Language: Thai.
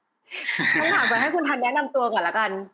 คำถามก่อนให้คุณทันแนะนำตัวก่อนละกัน